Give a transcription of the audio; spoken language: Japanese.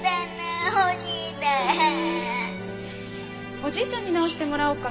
おじいちゃんに直してもらおうか。